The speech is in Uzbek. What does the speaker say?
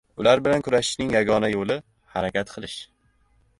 Ular bilan kurashishning yagona yoʻli – harakat qilish.